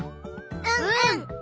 うんうん。